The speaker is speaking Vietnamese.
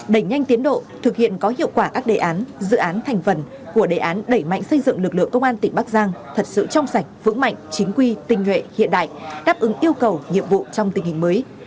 đẩy nhanh tiến độ thực hiện có hiệu quả các đề án dự án thành phần của đề án đẩy mạnh xây dựng lực lượng công an tỉnh bắc giang thật sự trong sạch vững mạnh chính quy tinh nhuệ hiện đại đáp ứng yêu cầu nhiệm vụ trong tình hình mới